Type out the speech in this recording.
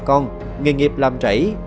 có ba con nghề nghiệp làm rảy